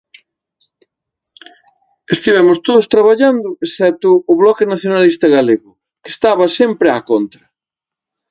Estivemos todos traballando, excepto o Bloque Nacionalista Galego, que estaba sempre á contra.